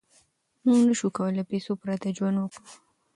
موږ نشو کولای له پیسو پرته ژوند وکړو.